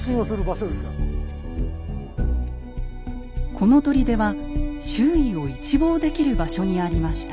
この砦は周囲を一望できる場所にありました。